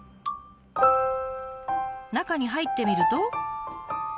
中に入ってみると。